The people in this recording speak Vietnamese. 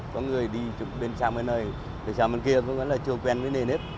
có người đi bên xa bên này bên xa bên kia vẫn là chưa quen với nền hết